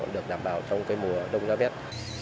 được đảm bảo trong mùa đông giá rét